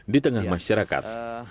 di tengah masyarakat